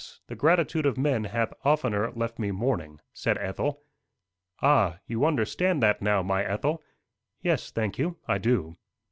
the gratitude of men Hath oftener left me mourning," said Ethel. "Ah! you understand that now, my Ethel!" "Yes, thank you, I do."